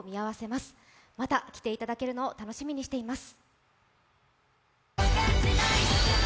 また来ていただけるのを楽しみにしています。